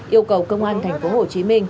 yêu cầu công an tp hcm